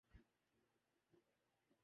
آخر ان کی کامیابی کی وجہ کیا تھی